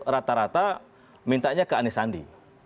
rata rata mintanya ke anisandi